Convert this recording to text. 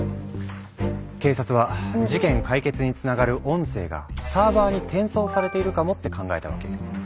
警察は事件解決につながる音声がサーバーに転送されているかもって考えたわけ。